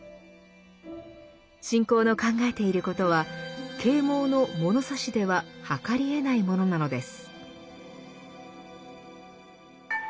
信仰の考えていることは啓蒙の物差しでは測りえないものなのです。